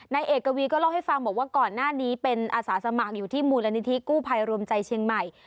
นายเอกวีก็เล่าให้ฟังบอกว่าก่อนหน้านี้เป็นอาสาสมัครอยู่ที่มูลนิธิกู้ภัยรวมใจเชียงใหม่